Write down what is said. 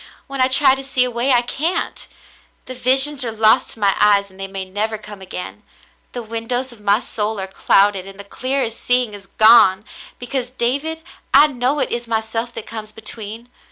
When I try to see a way, I can't. The visions are lost to my eyes, and they may never come again. The windows of my soul are clouded, and the clear seeing is gone, because, David, I know it is myself that comes between.